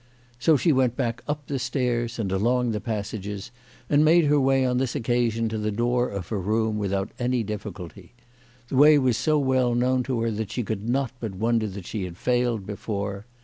So she went back up the stairs and along the passages, and made her way on this occasion to the door of her room without any difficulty. The way was so well known to her that she could not but wonder that she had failed before.